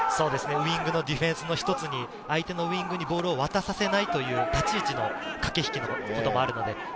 ウイングのディフェンスの一つに、お相手のウイングにボールを渡させないという立ち位置の駆け引きもあります。